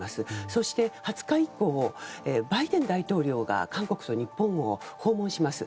そして２０日以降バイデン大統領が韓国と日本を訪問します。